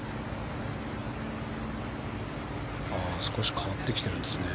少し変わってきてるんですね